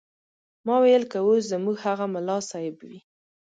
ما ویل که اوس زموږ هغه ملا صیب وي.